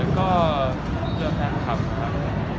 ก็เจอแฟนคลับครับ